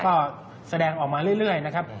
ก็แสดงออกมาเรื่อยนะครับ